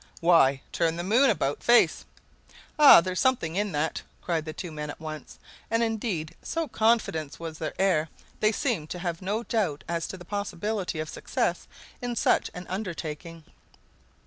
"Why, turn the moon about face." "Ah, there's something in that," cried the two men at once. And indeed, so confident was their air, they seemed to have no doubt as to the possibility of success in such an undertaking.